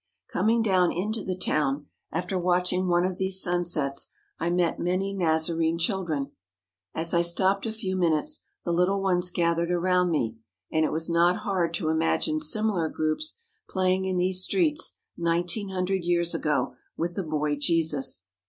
Coming down into the town, after watching one of these sunsets, I met many Nazarene children. As I stopped a few minutes, the little ones gathered around me, and it was not hard to imagine similar groups playing in these streets nineteen hundred years ago with the boy Jesus.